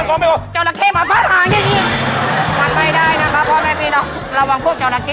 ระวังพวกเจ้าตักกี้ด้วย